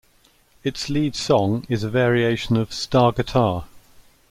Its lead song is a variation of "Star Guitar".